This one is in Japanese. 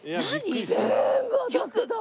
全部当たってた。